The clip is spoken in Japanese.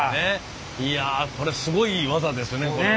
いやこれすごい技ですね。